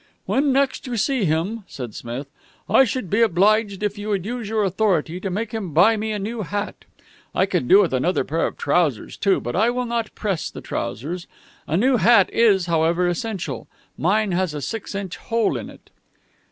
"When next you see him," said Smith, "I should be obliged if you would use your authority to make him buy me a new hat. I could do with another pair of trousers, too, but I will not press the trousers. A new hat is, however, essential. Mine has a six inch hole in it."